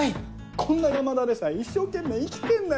こんな山田でさえ一生懸命生きてんだよ。